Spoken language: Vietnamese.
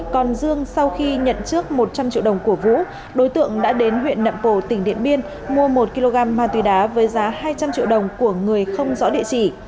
còn dương sau khi nhận trước một trăm linh triệu đồng của vũ đối tượng đã đến huyện nậm pồ tỉnh điện biên mua một kg ma túy đá với giá hai trăm linh triệu đồng của người không rõ địa chỉ